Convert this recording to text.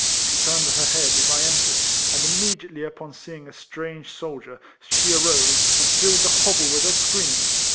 She turned her head as I entered, and immediately upon seeing a strange sob dier, she arose, and filled the hovel with her screams.